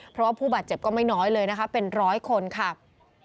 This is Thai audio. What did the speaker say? เพราะว่าผู้บาดเจ็บก็ไม่น้อยเลยนะคะเป็นร้อยคนค่ะ